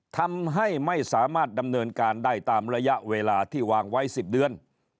ทำให้ไม่สามารถดำเนินการได้ตามระยะเวลาที่วางไว้๑๐เดือน